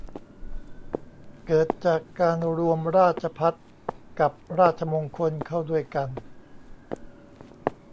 เกิดจากการรวมราชภัฏกับราชมงคลเข้าด้วยกัน